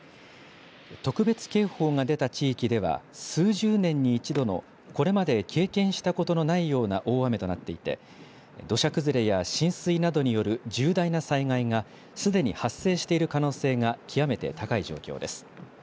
特別警報が出た地域では、数十年に１度のこれまで経験したことのないような大雨となっていて、土砂崩れや浸水などによる重大な災害がすでに発生している可能性が極めて高い状況です。